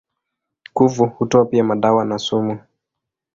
Kuvu hutoa pia madawa na sumu.